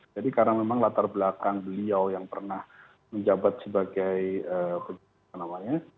jadi karena memang latar belakang beliau yang pernah menjabat sebagai apa namanya